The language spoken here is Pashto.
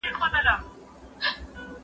کېدای سي کتاب اوږد وي؟!